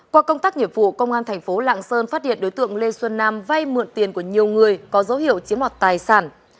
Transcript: qua công tác nghiệp vụ công an thành phố lạng sơn phát hiện đối tượng lê xuân nam vay mượn tiền của nhiều người có dấu hiệu chiếm mọt tài sản